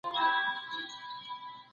ده د شعر او ادب له لارې ملت جوړونه وکړه